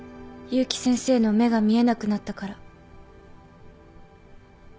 結城先生の目が見えなくなったから。